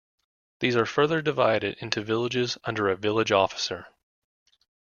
These are further divided into villages, under a Village officer.